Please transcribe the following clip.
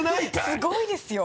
すごいですよ。